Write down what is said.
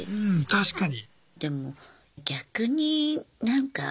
確かに。